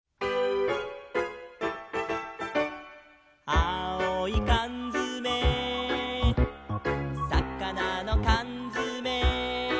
「あおいかんづめ」「さかなのかんづめ」